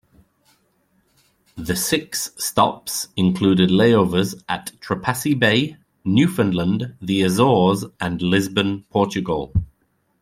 The six stops included layovers at Trepassey Bay, Newfoundland, the Azores, and Lisbon, Portugal.